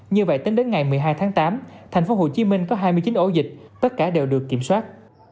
như vậy tính đến ngày một mươi hai tháng tám thành phố hồ chí minh có hai mươi chín ổ dịch tất cả đều được kiểm soát